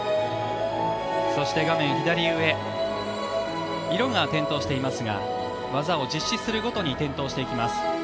そして、画面左上色が点灯していますが技を実施するごとに点灯していきます。